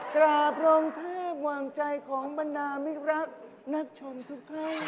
กราบรองเทพหวังใจของบรรดามิรักนักชมทุกคน